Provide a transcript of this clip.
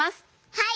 はい！